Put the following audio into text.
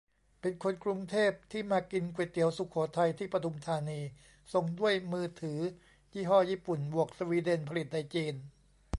เป็นคนกรุงเทพ ที่มากินก๋วยเตี๋ยวสุโขทัย ที่ปทุมธานี ส่งด้วยมือถือยี่ห้อญี่ปุ่นบวกสวีเดน ผลิตในจีน